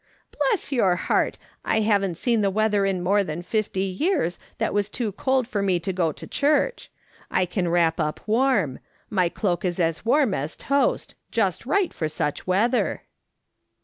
" Bless your heart ! I haven't seen the weather in more than fifty years that was too cold for me to go to church. I can wrap up warm ; my cloak is as warm as toast ; just right for such weather."